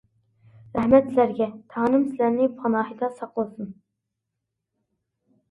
رەھمەت سىلەرگە، تەڭرىم سىلەرنى پاناھىدا ساقلىسۇن!